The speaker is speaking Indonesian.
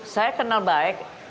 saya kenal baik